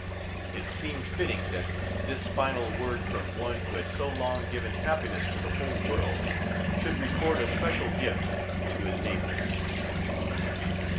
It seemed fitting that this final word from one who had so long given happiness to the whole world should record a special gift to his neighbors.